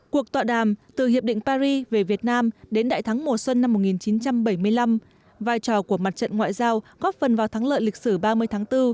cuộc tọa đàm từ hiệp định paris về việt nam đến đại thắng mùa xuân năm một nghìn chín trăm bảy mươi năm vai trò của mặt trận ngoại giao góp phần vào thắng lợi lịch sử ba mươi tháng bốn